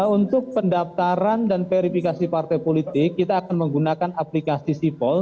untuk pendaftaran dan verifikasi partai politik kita akan menggunakan aplikasi sipol